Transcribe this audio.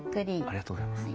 ありがとうございます。